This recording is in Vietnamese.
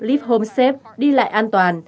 lip home safe đi lại an toàn